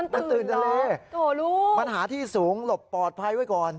มันตื่นหรอโถ่ลูกปัญหาที่สูงหลบปลอดภัยไว้ก่อน